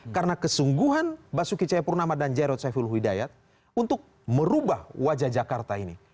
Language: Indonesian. karena kesungguhan basuki cahayapurnama dan jairot saiful hidayat untuk merubah wajah jakarta ini